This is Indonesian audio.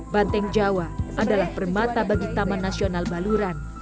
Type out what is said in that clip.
banteng jawa adalah permata bagi taman nasional baluran